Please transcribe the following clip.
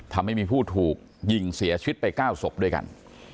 ทำให้มีผู้ถูกยิงเสียชีวิตไป๙ศพด้วยกัน